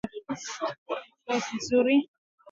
viazi lishe kwa watu wenye kisukari ni chakula kizuri